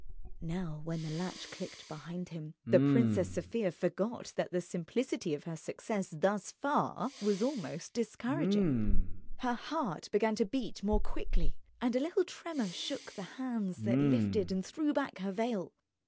Now when the latch clicked behind him, the Princess Sofia forgot that the simplicity of her success thus far was almost discouraging. Her heart began to beat more quickly, and a little tremor shook the hands that lifted and threw back her veil.